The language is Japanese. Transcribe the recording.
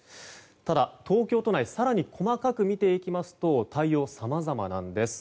ただ、東京都内更に細かく見てみますと対応さまざまなんです。